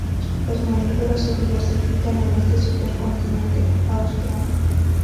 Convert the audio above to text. Los mamíferos se diversificaron en este supercontinente austral.